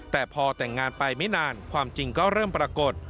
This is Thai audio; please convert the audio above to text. แต่พอแต่งงานไปไม่นานความจริงก็เริ่มปรากฏ